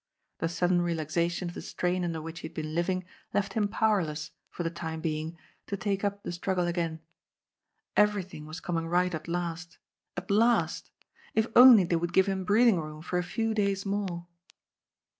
The sudden relaxation of the strain under which he had been living left him powerless, for the time being, to take up the struggle again. Everything was coming right at last, at last. If only they would give him breathing room for a few days more.